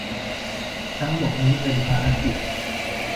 ทั้งหมดนี้เป็นภารกิจ